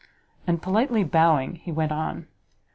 And, politely bowing, he went on.